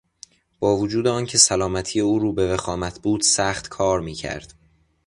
با وجود آنکه سلامتی او روبه وخامت بود سخت کار میکرد.